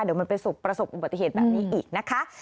เดี๋ยวมันไปประสบอุบัติเหตุแบบนี้อีกนะคะ